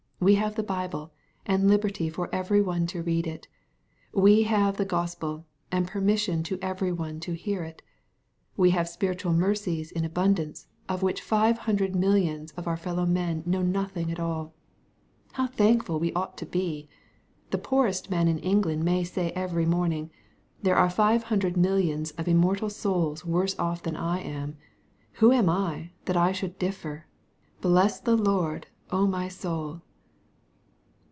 We have the Bible, and liberty for every one to read it. We have the Gospel, and permission to every one to hear it.' We have spiritual mercies in abundance, of which five hundred millions of our fellow men know nothing at all. How thankful we ought to be ! The poorest man in England may say . every morning, "There are five hundred millions of immortal souls worse off than I am. Who am I, that I should differ ? Bless the Lord, my soul."